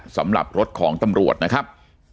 สำหรับรถของตำรวจนะครับ